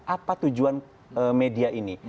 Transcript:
apa tujuan media ini